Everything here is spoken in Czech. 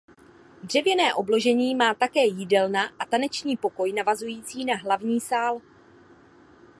Dřevěné obložení má také jídelna a taneční pokoj navazující na hlavní sál.